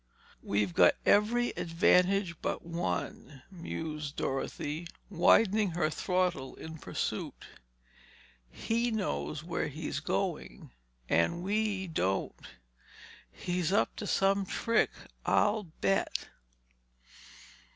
"We've got every advantage but one," mused Dorothy, widening her throttle in pursuit. "He knows where he's going—and we don't. He's up to some trick, I'll bet."